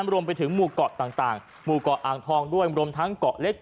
รวมไปถึงหมู่เกาะต่าง